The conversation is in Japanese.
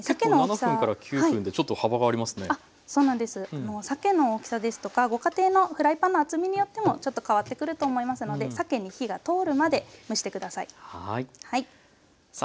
さけの大きさですとかご家庭のフライパンの厚みによってもちょっと変わってくると思いますのでさけに火が通るまで蒸して下さい。